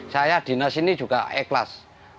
saya dinas ini juga ikhlas